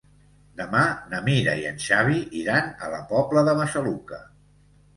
Demà na Mira i en Xavi iran a la Pobla de Massaluca.